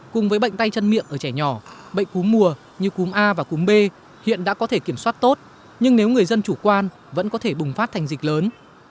cùng với bệnh tay chân miệng ở trẻ nhỏ bệnh cúm mùa như cúm a và cúm b hiện đã có thể kiểm soát tốt nhưng nếu người dân chủ quan vẫn có thể bùng phát thành dịch lớn